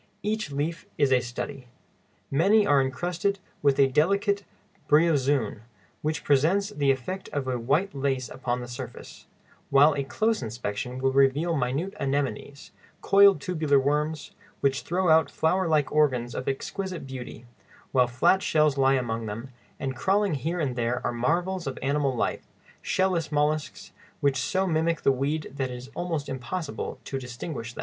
Each leaf is a study. Many are encrusted with a delicate bryozoön, which presents the effect of white lace upon the surface, while a close inspection will reveal minute anemones, coiled tubular worms, which throw out flower like organs of exquisite beauty; while flat shells lie among them, and crawling here and there are marvels of animal life, shell less mollusks, which so mimic the weed that it is almost impossible to distinguish them.